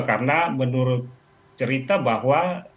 karena menurut cerita bahwa